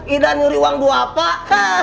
idan nyuri uang buah pak